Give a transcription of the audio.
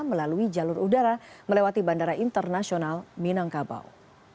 melalui jalur udara melewati bandara internasional minangkabau